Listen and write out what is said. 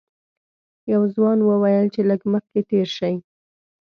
یوه ځوان وویل چې لږ مخکې تېر شئ.